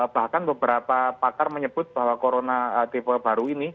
bahkan beberapa pakar menyebut bahwa corona tipe baru ini